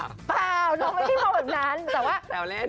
เปล่าลองไม่ได้พอแบบนั้น